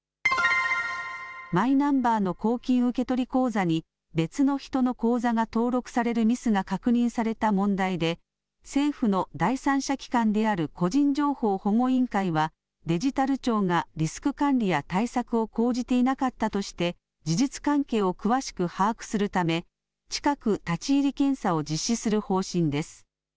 マイナンバーの公金受取口座に別の人の口座が登録されるミスが確認された問題で、政府の第三者機関である個人情報保護委員会は、デジタル庁がリスク管理や対策を講じていなかったとして、事実関係を詳しく把握するため、近く、立ち入り検査を実施する方針です。